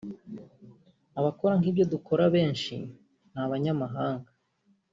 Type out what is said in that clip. Abakora nk’ibyo dukora benshi ni Abanyamahanga